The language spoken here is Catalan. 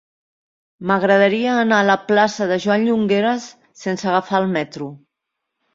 M'agradaria anar a la plaça de Joan Llongueras sense agafar el metro.